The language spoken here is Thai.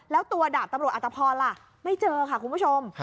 แล้วตัวดาบตำรวจอัตภพรล่ะไม่เจอค่ะคุณผู้ชม